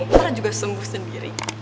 mereka juga sengguh sendiri